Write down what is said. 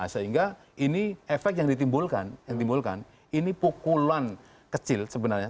sehingga ini efek yang ditimbulkan ini pukulan kecil sebenarnya